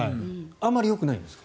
あまりよくないんですか？